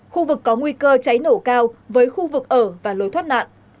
khu vực có nguy cơ cháy nổ cao với khu vực ở và lối thoát nạn